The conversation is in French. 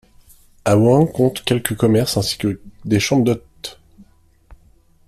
Awan compte quelques commerces ainsi que des chambres d'hôtes.